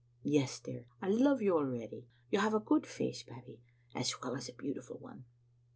"Yes, dear, I love you already. You have a good face, Babbie, as well as a beautiful one."